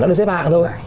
đã được xếp hạng thôi